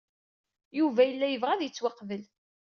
Yuba yella yebɣa ad yettwaqbel.